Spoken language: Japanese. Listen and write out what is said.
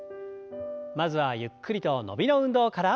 まずはゆっくりと伸びの運動から。